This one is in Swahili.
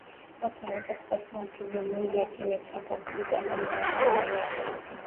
Watu wanaweza kupata maambukizi ya ugonjwa wa kimeta kwa kugusa damu ya wanyama walioathirika